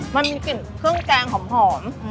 มันมีกลิ่นเครื่องแกงหอม